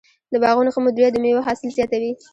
د باغونو ښه مدیریت د مېوو حاصل زیاتوي.